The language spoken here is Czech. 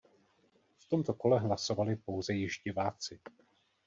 V tomto kole hlasovali pouze již diváci.